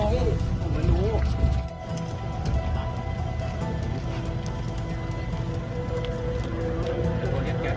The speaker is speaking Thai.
ไม่พี่ไม่ได้ภีรรถ